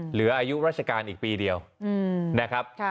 เหลืออายุราชการอีกปีเดียวนะครับ